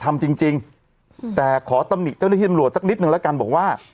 ทำจริงจริงแต่ขอตำหนิเจ้าหน้าที่ตำรวจสักนิดนึงแล้วกันบอกว่า